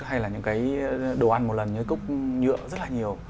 hay là những cái đồ ăn một lần như cốc nhựa rất là nhiều